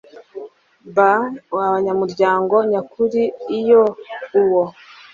by abanyamuryango nyakuri Iyo uwo